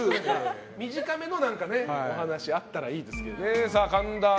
短めのお話があったらいいですね。